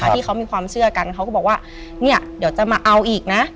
ที่เขามีความเชื่อกันเขาก็บอกว่าเนี่ยเดี๋ยวจะมาเอาอีกนะ